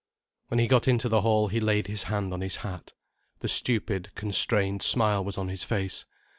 When he got into the hall he laid his hand on his hat. The stupid, constrained smile was on his face.